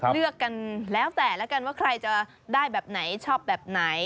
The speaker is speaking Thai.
เลือกกันแล้วแต่ละกันว่าใครจะได้แบบไหนชอบแบบไหน